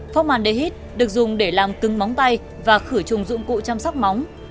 formandehyde được dùng để làm cứng móng tay và khử trùng dụng cụ chăm sóc móng